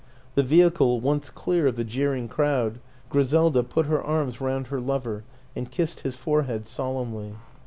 The vehicle once clear of the jeering crowd, Gri selda put her arms round her lover and kissed his forehead solemnly.